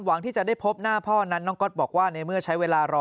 หวังที่จะได้พบหน้าพ่อนั้นน้องก๊อตบอกว่าในเมื่อใช้เวลารอ